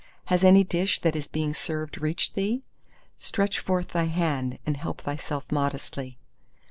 Has any dish that is being served reached thee? Stretch forth thy hand and help thyself modestly.